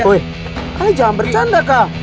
woy kali jangan bercanda kak